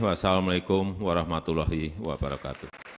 wassalamu'alaikum warahmatullahi wabarakatuh